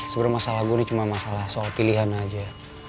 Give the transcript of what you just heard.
sebenernya masalah gue ini cuma masalah soal pilihan aja